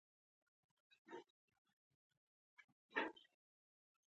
نن زموږ په سيمه کې دوړې او هوا چليږي.